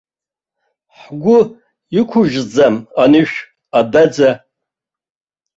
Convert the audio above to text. Ҳгәы иқәыжьӡам анышә, адәаӡа.